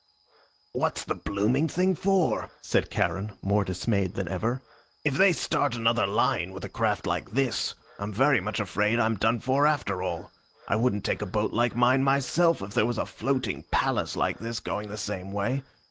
"What's the blooming thing for?" said Charon, more dismayed than ever. "If they start another line with a craft like this, I'm very much afraid I'm done for after all. I wouldn't take a boat like mine myself if there was a floating palace like this going the same way.